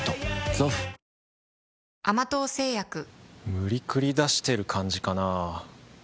無理くり出してる感じかなぁ